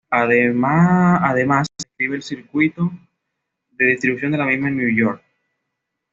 Además, describe el circuito de distribución de la misma en New York.